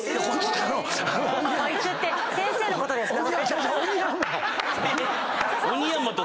「コイツ」って先生のことですか？